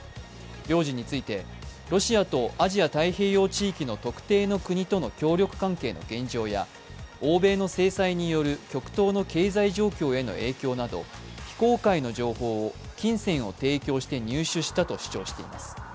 領事について、ロシアとアジア太平洋地域の特定の国との協力関係の現状や欧米の制裁による極東の経済状況への影響など非公開の情報を金銭を提供して入手したと主張しています。